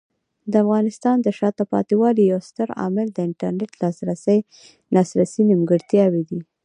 د افغانستان د شاته پاتې والي یو ستر عامل د انټرنیټ لاسرسي نیمګړتیاوې دي.